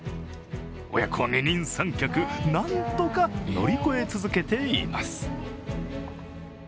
親子二人三脚、なんとか乗り越え続けています。